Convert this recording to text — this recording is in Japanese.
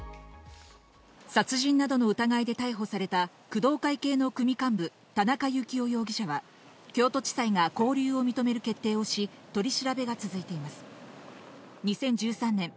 殺人などの疑いで逮捕された工藤会系の組幹部、田中幸雄容疑者は京都地裁が勾留を認める決定をし、取り調べが続いています。